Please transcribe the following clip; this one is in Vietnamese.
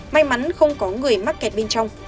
may mắn không có người mắc kẹt bên trong